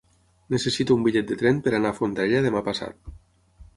Necessito un bitllet de tren per anar a Fondarella demà passat.